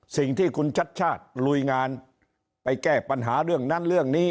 สิ่งที่คุณชัดชาติลุยงานไปแก้ปัญหาเรื่องนั้นเรื่องนี้